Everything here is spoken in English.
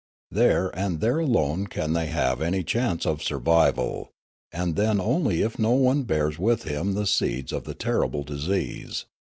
There and there alone can they have any chance of survival, and then only if no one bears with him the seeds of the terrible disease.